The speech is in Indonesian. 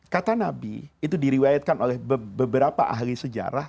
kata nabi itu diriwayatkan oleh beberapa ahli sejarah